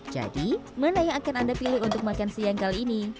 jadi mana yang akan anda pilih untuk makan siang kali ini